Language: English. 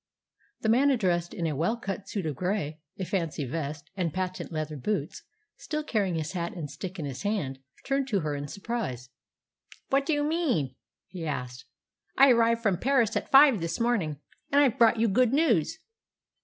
The man addressed, in a well cut suit of grey, a fancy vest, and patent leather boots, still carrying his hat and stick in his hand, turned to her in surprise. "What do you mean?" he asked. "I arrived from Paris at five this morning, and I've brought you good news."